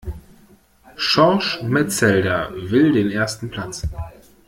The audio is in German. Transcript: Schorsch Metzelder will den ersten Platz.